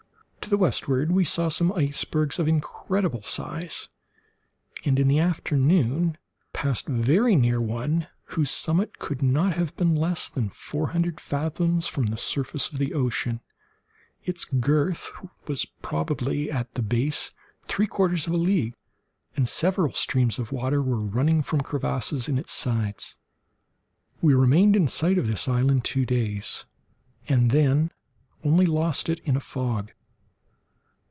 To the westward we saw some icebergs of incredible size, and in the afternoon passed very near one whose summit could not have been less than four hundred fathoms from the surface of the ocean. Its girth was probably, at the base, three quarters of a league, and several streams of water were running from crevices in its sides. We remained in sight of this island two days, and then only lost it in a fog.